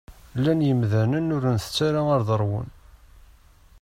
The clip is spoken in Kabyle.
Llan yimdanen ur ntett ara ad rwun.